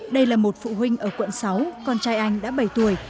đây là một phụ huynh ở quận sáu con trai anh đã bảy tuổi